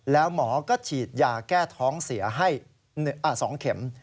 แล้วหมอก็ฉีดยาแก้ท้องเสียให้๒เข็ม